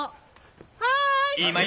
はい！